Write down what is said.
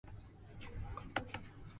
ホウセンカ